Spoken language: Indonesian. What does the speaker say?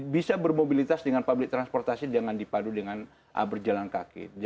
bisa bermobilitas dengan public transportasi dengan dipadu dengan berjalan kaki